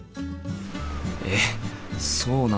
えっそうなんだ。